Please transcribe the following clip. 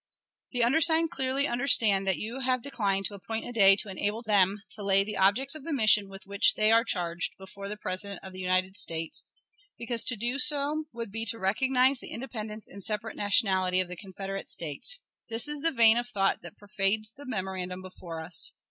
The undersigned clearly understand that you have declined to appoint a day to enable them to lay the objects of the mission with which they are charged before the President of the United States, because so to do would be to recognize the independence and separate nationality of the Confederate States. This is the vein of thought that pervades the memorandum before us.